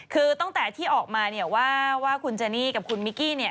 คือตั้งแต่ที่ออกมาว่าคุณเจนนี่กับคุณมิกกี้